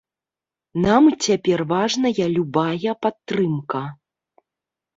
Нам цяпер важная любая падтрымка.